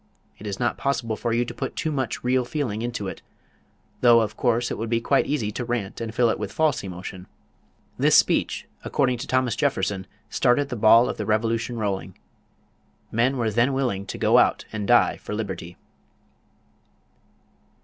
It is not possible for you to put too much real feeling into it, though of course it would be quite easy to rant and fill it with false emotion. This speech, according to Thomas Jefferson, started the ball of the Revolution rolling. Men were then willing to go out and die for liberty.